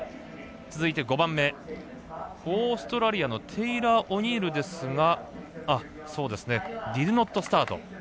続いて５番目オーストラリアのテイラー・オニールですがディドゥノットスタート。